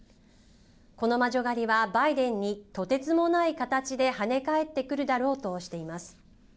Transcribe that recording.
この魔女狩りはバイデンにとてつもない形で跳ね返ってくるだろうとしています。